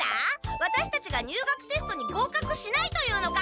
ワタシたちが入学テストにごうかくしないというのか！？